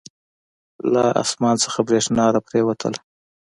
له اسمان نه بریښنا را پریوتله.